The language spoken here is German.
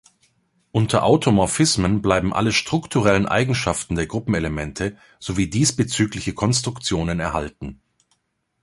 Unter Automorphismen bleiben alle strukturellen Eigenschaften der Gruppenelemente sowie diesbezügliche Konstruktionen erhalten.